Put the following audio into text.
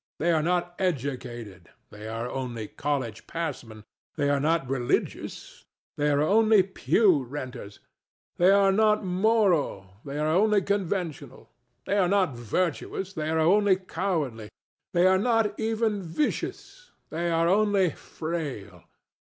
They are not educated they are only college passmen. They are not religious: they are only pewrenters. They are not moral: they are only conventional. They are not virtuous: they are only cowardly. They are not even vicious: they are only "frail."